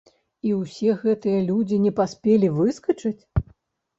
І ўсе гэтыя людзі не паспелі выскачыць?